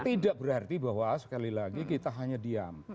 tidak berarti bahwa sekali lagi kita hanya diam